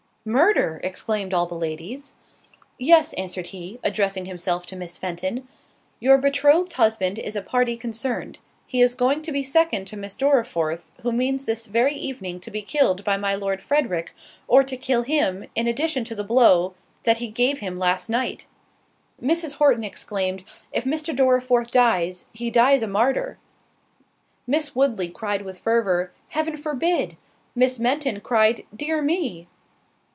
"Murder!" exclaimed all the ladies. "Yes," answered he, addressing himself to Miss Fenton, "your betrothed husband is a party concerned; he is going to be second to Mr. Dorriforth, who means this very evening to be killed by my Lord Frederick, or to kill him, in addition to the blow that he gave him last night." Mrs. Horton exclaimed, "if Mr. Dorriforth dies, he dies a martyr." Miss Woodley cried with fervour, "Heaven forbid!" Miss Fenton cried, "dear me!"